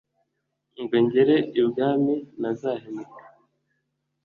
Ngo ngere ibwami ntazahemuka